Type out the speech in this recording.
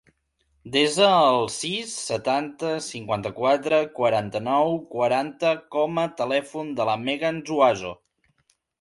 Desa el sis, setanta, cinquanta-quatre, quaranta-nou, quaranta com a telèfon de la Megan Zuazo.